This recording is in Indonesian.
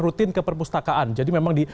rutin ke perpustakaan jadi memang di